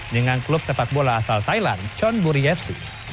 dengan klub sepak bola asal thailand chonburi fc